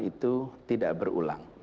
itu tidak berulang